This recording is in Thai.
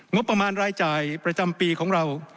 งบประมาณรายจ่ายประจำปีของเรา